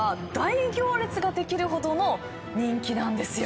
できるほどの人気なんですよ。